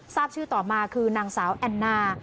ทราบชื่อต่อมาคือนางสาวแอนนา